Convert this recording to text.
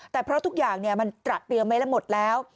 แต่เพราะทุกอย่างมันตระเตรียมไว้แล้วหมดแล้ว